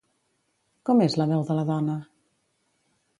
Com és la veu de la dona?